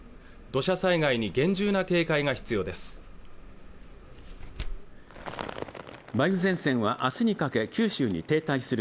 土砂災害に厳重な警戒が必要です